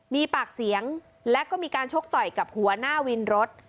มีปากเสียงและก็มีการชกต่อยกับหัวหน้าวินรถ